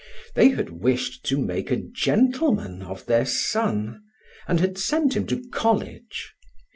They had wished to make a "gentleman" of their son and had sent him to college.